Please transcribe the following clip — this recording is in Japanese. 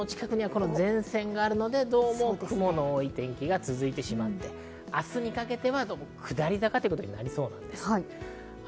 関東の近くには前線があるので、どうも雲の多い天気が続いてしまって、明日にかけては下り坂となりそうです。